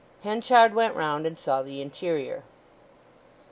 Henchard went round and saw the interior.